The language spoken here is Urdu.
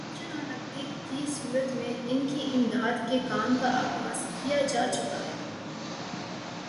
راشن اور نقدی کی صورت میں ان کی امداد کے کام کا آغاز کیا جا چکا ہے